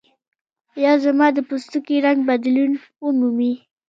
یا زما د پوستکي رنګ بدلون ومومي.